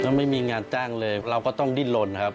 แล้วไม่มีงานจ้างเลยเราก็ต้องดิ้นลนครับ